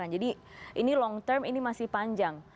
jadi ini long term ini masih panjang